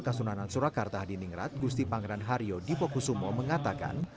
kasunanan surakarta di ningrat gusti pangeran haryo dipokusumo mengatakan